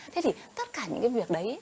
thế thì tất cả những cái việc đấy